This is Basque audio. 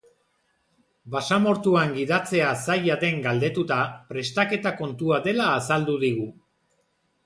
Basamortuan gidatzea zaila den galdetuta, prestaketa kontua dela azaldu digu.